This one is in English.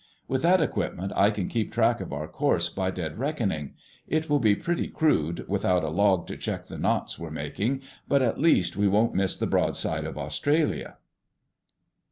With that equipment I can keep track of our course by dead reckoning. It will be pretty crude, without a log to check the knots we're making, but at least we won't miss the broadside of Australia!"